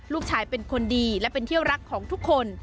ลูกชายเป็นคนดีและเป็นเที่ยวรักของทุกคน